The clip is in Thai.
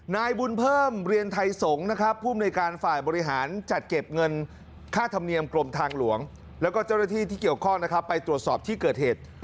นายบุญเพิ่มเรียนไทยสงฆ์นะครับภูมิในการฝ่ายบริหารจัดเก็บเงินค่าธรรมเนียมกรมทางหลวงแล้วก็เจ้าหน้าที่ที่เกี่ยวข้องนะครับไปตรวจสอบที่เกิดเหตุ